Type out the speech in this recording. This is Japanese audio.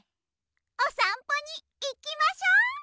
おさんぽにいきましょ！